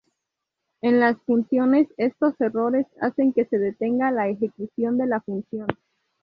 En las funciones, estos errores hacen que se detenga la ejecución de la función.